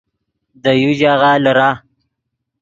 دے یو ژاغہ لیرہ